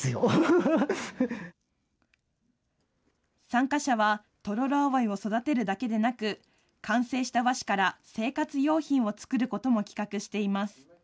参加者はトロロアオイを育てるだけでなく、完成した和紙から生活用品を作ることも企画しています。